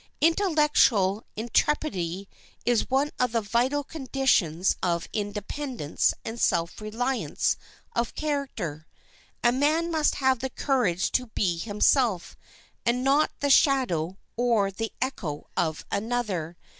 Intellectual intrepidity is one of the vital conditions of independence and self reliance of character. A man must have the courage to be himself, and not the shadow or the echo of another.